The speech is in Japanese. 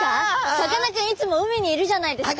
さかなクンいつも海にいるじゃないですか。